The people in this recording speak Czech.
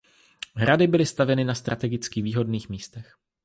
Hrady byly stavěny na strategicky výhodných místech.